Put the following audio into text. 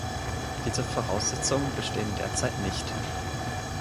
Diese Voraussetzungen bestehen derzeit nicht!